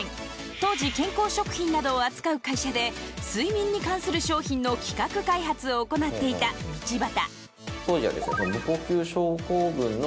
当時健康食品などを扱う会社で睡眠に関する商品の企画開発を行っていた道端。